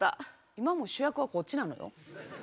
今も主役はこっちなのよ。